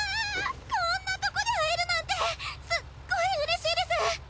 こんなとこで会えるなんてすっごいうれしいです！